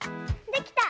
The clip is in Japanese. できた！